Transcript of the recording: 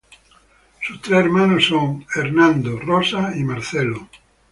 Sus tres hermanos son Hernán, Rosa y Marcelo.